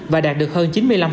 và đạt được hơn chín mươi năm